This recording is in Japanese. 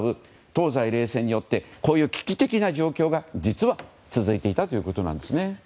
東西冷戦によってこういう危機的な状況が実は、続いていたということなんです。